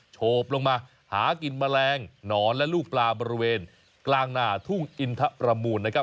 โฉบลงมาหากินแมลงหนอนและลูกปลาบริเวณกลางหนาทุ่งอินทะประมูลนะครับ